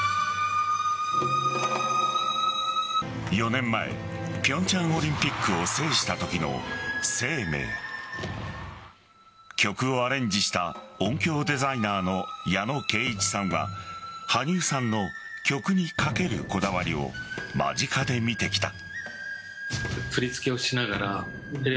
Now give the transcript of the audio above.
４年前平昌オリンピックを制したときの「ＳＥＩＭＥＩ」曲をアレンジした音響デザイナーの矢野桂一さんは羽生さんの曲にかけるこだわりを間近で見てきた。